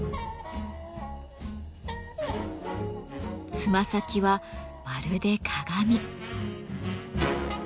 つま先はまるで鏡。